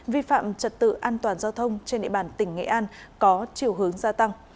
vi phạm trật tự an toàn giao thông trên địa bàn tỉnh nghệ an có chiều hướng gia tăng